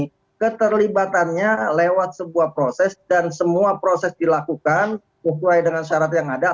jadi keterlibatannya lewat sebuah proses dan semua proses dilakukan berkaitan dengan syarat yang ada